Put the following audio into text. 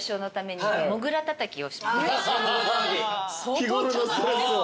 日頃のストレスを。